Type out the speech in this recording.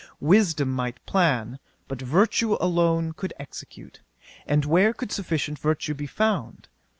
Wisdom might plan, but virtue alone could execute. And where could sufficient virtue be found?